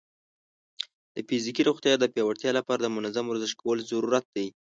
د فزیکي روغتیا د پیاوړتیا لپاره د منظم ورزش کولو ضرورت دی.